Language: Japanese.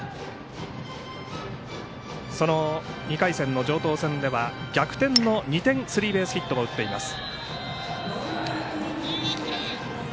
その２回戦の城東戦では逆転の２点スリーベースヒットも打っています。